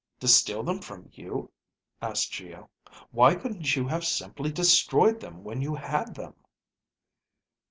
"To steal them from you?" asked Geo. "Why couldn't you have simply destroyed them when you had them."